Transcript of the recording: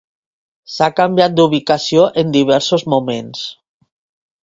S'ha canviat d'ubicació en diversos moments.